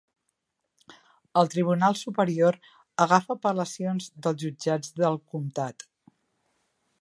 El Tribunal Superior agafa apel·lacions dels jutjats del comtat.